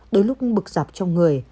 đôi lúc bực dập trong người